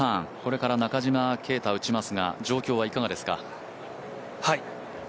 これから中島啓太、打ちますが状況はいかがですか？